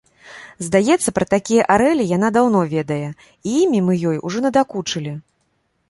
Здаецца, пра такія арэлі яна даўно ведае, і імі мы ёй ужо надакучылі.